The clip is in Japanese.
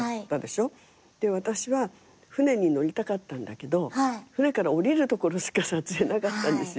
私は船に乗りたかったんだけど船から降りるところしか撮影なかったんですよ。